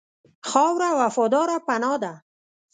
خاوره وفاداره پناه ده.